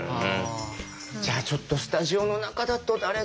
じゃあちょっとスタジオの中だと誰が向いてる。